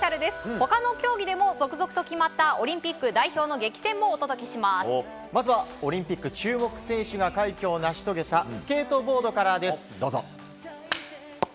他の競技でも続々と決まったオリンピック代表のまずはオリンピック注目選手が快挙を成し遂げたスケートボードからです、どうぞ。